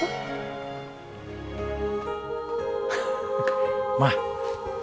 gak pernulah beli baju baru gitu